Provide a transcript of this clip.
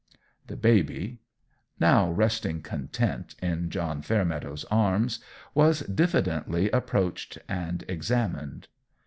The baby, now resting content in John Fairmeadow's arms, was diffidently approached and examined.